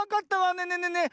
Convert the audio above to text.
ねえねえねえねえ